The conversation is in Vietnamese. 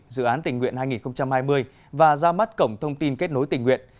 dự án tình nguyện hai nghìn hai mươi và ra mắt cổng thông tin kết nối tình nguyện